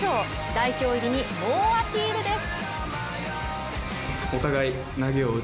代表入りに猛アピールです。